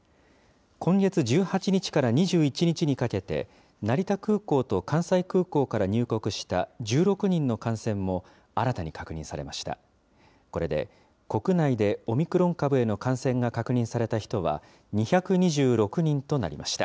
今月１８日から２１日にかけて、成田空港と関西空港から入国した１６人の感染も、新たに確認されました。